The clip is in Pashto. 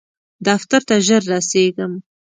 دفتر ته ژر رسیږم